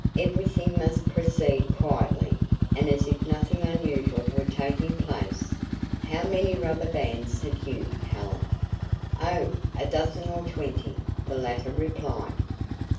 "Everything must proceed quietly and as if nothing unusual were taking place. How many rubber bands have you, Helen?" "Oh, a dozen or twenty," the latter replied.